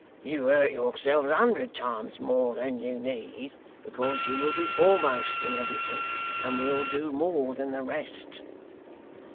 You hurt yourself a hundred times more than you need, because you will be foremost in everything, and will do more than the rest.